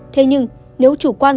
thế nhưng nếu chủ quan